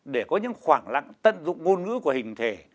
để có những khoảng lặng tận dụng ngôn ngữ của hình thể